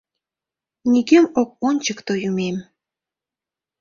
Нигӧм ок ончыкто юмем?